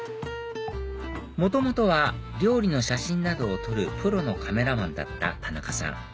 元々は料理の写真などを撮るプロのカメラマンだった田中さん